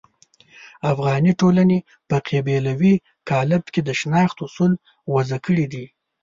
افغاني ټولنې په قبیلوي قالب کې د شناخت اصول وضع کړي دي.